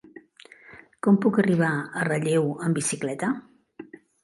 Com puc arribar a Relleu amb bicicleta?